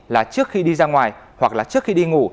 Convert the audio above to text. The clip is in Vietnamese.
là trước khi đi ra ngoài hoặc là trước khi đi ngủ